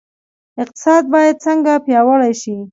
اقتصاد باید څنګه پیاوړی شي؟